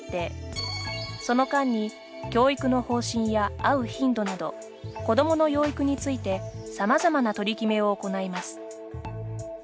その間に、教育の方針や会う頻度など子どもの養育についてさまざまな取り決めを行います。